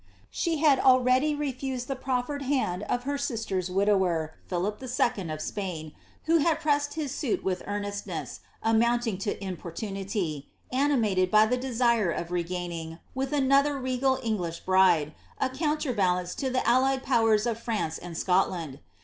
She had already refused the proffered hand of her sister^s widower, Philip II. of Spain, who had pressed his suit with earnestness, amount* ing to importunity, animated by the desire of regaining, with another regal English bride, a counterbalance to the aliieil powers of France and Scotland.